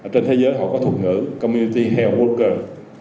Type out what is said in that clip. trên thế giới họ có thuộc ngữ community health worker